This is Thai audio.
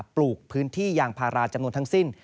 ปลูกพื้นที่ยางพาราจำนวนทั้งสิ้น